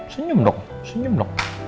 senyum dong senyum dong